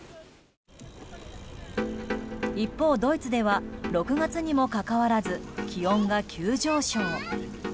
一方、ドイツでは６月にもかかわらず気温が急上昇。